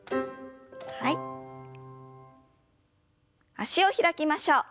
脚を開きましょう。